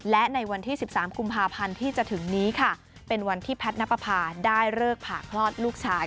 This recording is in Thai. และในวันที่๑๓กุมภาพันธ์ที่จะถึงนี้ค่ะเป็นวันที่แพทย์นับประพาได้เลิกผ่าคลอดลูกชาย